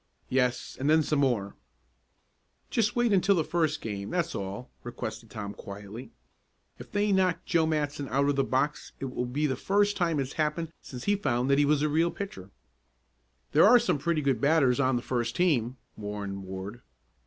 "Yes, and then some more." "Just wait until the first game that's all," requested Tom quietly. "If they knock Joe Matson out of the box it will be the first time it's happened since he found that he was a real pitcher." "There are some pretty good batters on the first team," warned Ward.